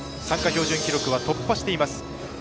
標準記録は突破しています。